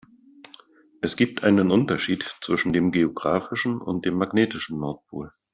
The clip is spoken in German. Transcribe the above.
Es gibt einen Unterschied zwischen dem geografischen und dem magnetischen Nordpol.